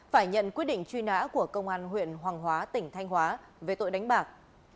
phải nhận quyết định truy nã của công an huyện hoàng hóa tỉnh thanh hóa về tội đánh bạc